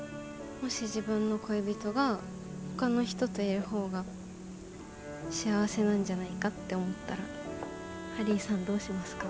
もし自分の恋人がほかの人といる方が幸せなんじゃないかって思ったらハリーさんどうしますか？